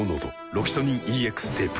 「ロキソニンＥＸテープ」